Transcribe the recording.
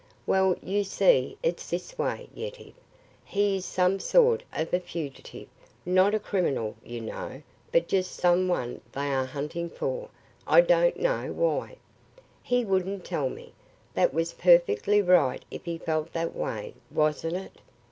Well, you see, it's this way, Yetive: he is some sort of a fugitive not a criminal, you know but just some one they are hunting for, I don't know why. He wouldn't tell me. That was perfectly right, if he felt that way, wasn't it?"